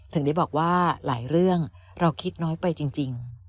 ถึงได้บอกว่าหลายเรื่องเราคิดน้อยไปจริง